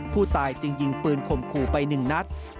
ผู้ตายจึงยิงปืนขมครูไปหนึ่งนัด